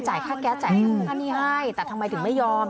ค่าแก๊สจ่ายค่าหนี้ให้แต่ทำไมถึงไม่ยอม